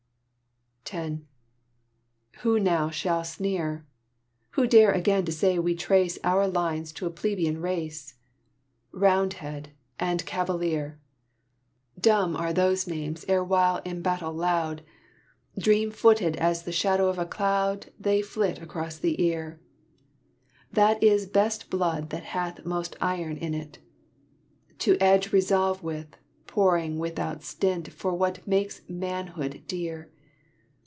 X Who now shall sneer? Who dare again to say we trace Our lines to a plebeian race? Roundhead and Cavalier! Dumb are those names erewhile in battle loud; Dream footed as the shadow of a cloud, They flit across the ear: That is best blood that hath most iron in 't. To edge resolve with, pouring without stint For what makes manhood dear.